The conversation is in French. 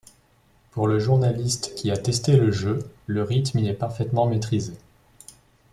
Pour le journaliste qui a testé le jeu, le rythme y est parfaitement maîtrisé.